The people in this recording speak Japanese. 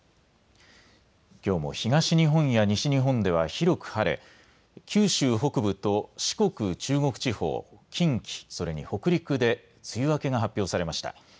きょうも東日本や西日本では広く晴れ、九州北部と四国、中国地方近畿それに北陸で梅雨明けが発表されました。